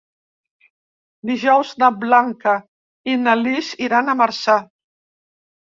Dijous na Blanca i na Lis iran a Marçà.